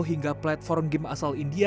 hingga platform game asal india